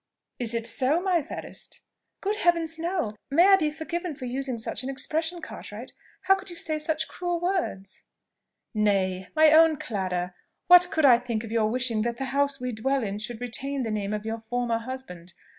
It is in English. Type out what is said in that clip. Is it so, my fairest?" "Good Heaven, no! May I be forgiven for using such an expression, Cartwright! How could you say such cruel words?" "Nay! my own Clara! what could I think of your wishing that the house we dwell in should retain the name of your former husband?